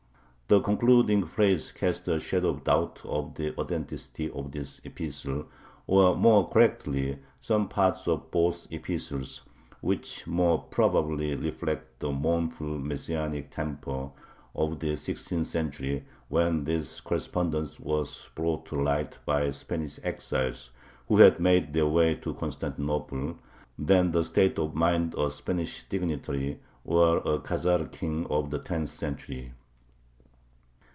The concluding phrases cast a shadow of doubt on the authenticity of this epistle or, more correctly, of some parts of both epistles, which more probably reflect the mournful Messianic temper of the sixteenth century, when this correspondence was brought to light by Spanish exiles who had made their way to Constantinople, than the state of mind of a Spanish dignitary or a Khazar king of the tenth century.